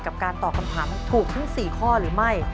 การตอบคำถามถูกทั้ง๔ข้อหรือไม่